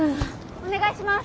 お願いします。